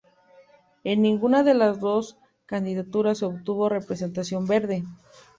En ninguna de las dos candidaturas se obtuvo representación verde.